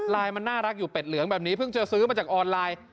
มันน่ารักอยู่เป็ดเหลืองแบบนี้เพิ่งจะซื้อมาจากออนไลน์